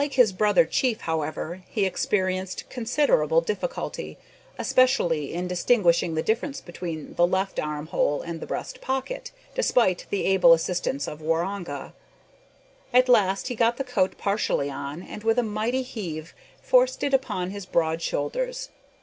Like his brother chief, however, he experienced considerable difficulty, especially in distinguishing the difference between the left arm hole and the breast pocket, despite the able assistance of Waroonga. At last he got the coat partially on, and with a mighty heave, forced it upon his broad shoulders.